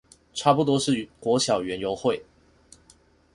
差不多是國小園遊會